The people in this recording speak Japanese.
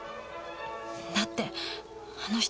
だってあの人